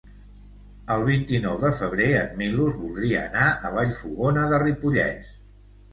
El vint-i-nou de febrer en Milos voldria anar a Vallfogona de Ripollès.